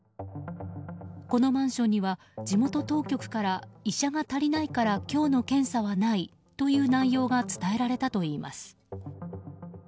このマンションには地元当局から医者が足りないから今日の検査はないという内容が伝えられたといいます。